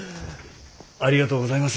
ありがとうございます。